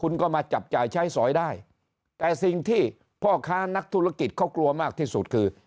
คุณก็มาจับจ่ายใช้สอยได้แต่สิ่งที่พ่อค้านักธุรกิจเขากลัวมากที่สุดคือ